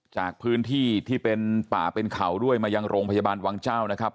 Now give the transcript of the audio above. จากพื้นที่ที่เป็นป่าเป็นเขาด้วยมายังโรงพยาบาลวังเจ้านะครับ